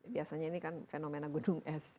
biasanya ini kan fenomena gunung es